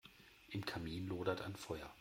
Im Kamin lodert ein Feuer.